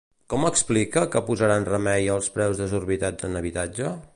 Com explica que posaran remei als preus desorbitats en habitatge?